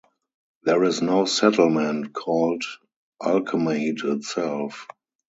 There is no settlement called Alkemade itself.